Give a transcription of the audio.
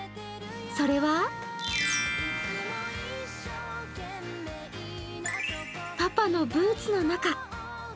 それは、パパのブーツの中。